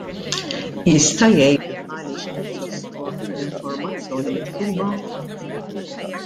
Jista' jgħid għaliex qed jostor l-informazzjoni mitluba?